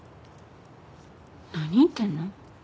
何言ってんの？